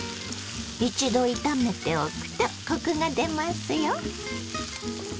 一度炒めておくとコクが出ますよ。